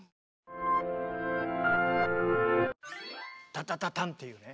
タタタタンっていうね